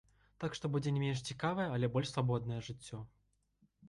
Так што будзе не менш цікавае, але больш свабоднае жыццё.